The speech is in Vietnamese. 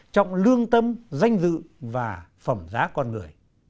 trọng lương tâm danh dự và phẩm giá con người